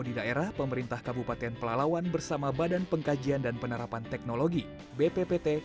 di daerah pemerintah kabupaten pelalawan bersama badan pengkajian dan penerapan teknologi bppt